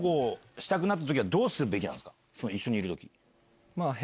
一緒にいる時。